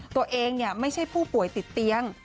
ตัวเองไม่ใช่ผู้ป่วยติดเตียง